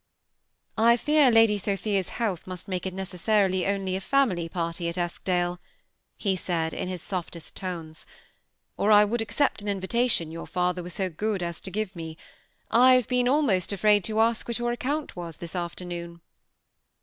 ^ I fear Ladj Sophia's health must make it necessa rily only a &mily party at Eskdale," he said, in his softest tones, '^or I would accept an invitation your father was so good as to give me. I have been almost afraid to ask what your account was this afternoon